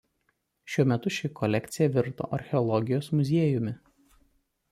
Šiuo metu ši kolekcija virto archeologijos muziejumi.